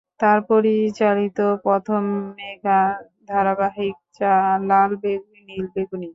তার পরিচালিত প্রথম মেগা ধারাবাহিক "লাল নীল বেগুনি"।